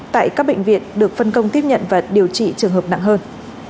tại các bệnh viện được phân công tiếp nhận và điều trị trường hợp nặng hơn